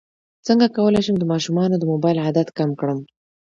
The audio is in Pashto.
څنګه کولی شم د ماشومانو د موبایل عادت کم کړم